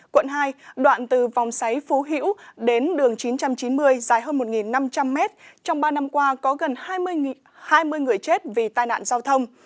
quận hai đoạn từ vòng xoáy phú hữu đến đường chín trăm chín mươi dài hơn một năm trăm linh mét trong ba năm qua có gần hai mươi người chết vì tai nạn giao thông